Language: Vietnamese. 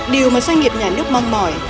điều mà doanh nghiệp nhà nước mong mỏi